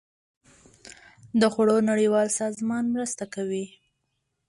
د خوړو نړیوال سازمان مرستې کوي